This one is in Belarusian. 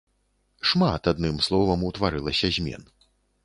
Шмат, адным словам, утварылася змен.